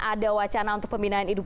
ada wacana untuk pembinaan